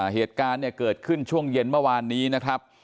เหตุการณ์เนี่ยเกิดขึ้นช่วงเย็นเมื่อวานนี้นะครับ